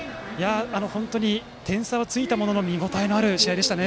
点差はついたものの見応えのある試合でしたね。